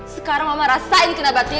sekarang mama rasain kenapa hatinya